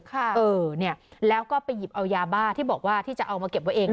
เออเนี่ยแล้วก็ไปหยิบเอายาบ้าที่บอกว่าที่จะเอามาเก็บไว้เอง